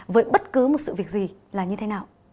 với bất cứ một sự việc gì là như thế nào